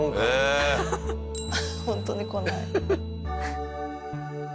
本当にこない。